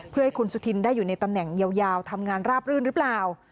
เพื่อให้คุณสุธินได้อยู่ในตำแหน่งยาวทำงานราบรื่นหรือเปล่า